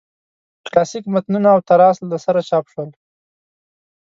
کلاسیک متنونه او تراث له سره چاپ شول.